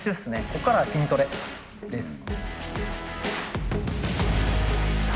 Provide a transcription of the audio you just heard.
こっからは筋トレです。